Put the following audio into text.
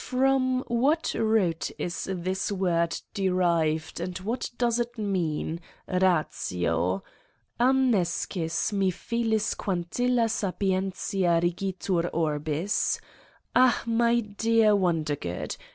From what root is this word derived and what does it mean ratio? An nescis, mi filis quantilla sapientia rigitur orbisP Ah, my dear Wonder good!